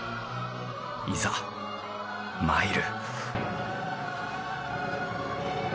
いざ参る